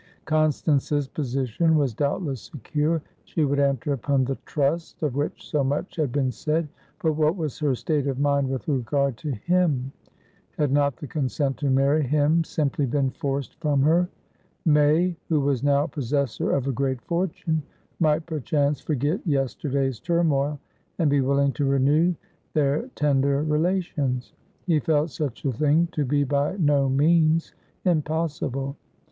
Constance's position was doubtless secure; she would enter upon the "trust" of which so much had been said; but what was her state of mind with regard to him? Had not the consent to marry him simply been forced from her? May, who was now possessor of a great fortune, might perchance forget yesterday's turmoil, and be willing to renew their tender relations; he felt such a thing to be by no means impossible.